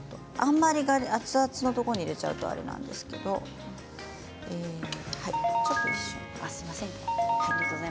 あんまり熱々のところに入れちゃうとあれなんですけどちょっと一瞬。